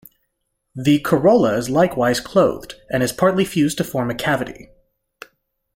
The corolla is likewise clothed and is partly fused to form a cavity.